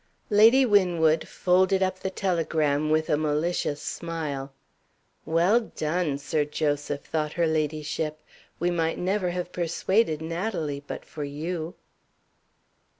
Lady Winwood folded up the telegram with a malicious smile. "Well done, Sir Joseph!" thought her ladyship. "We might never have persuaded Natalie but for You!"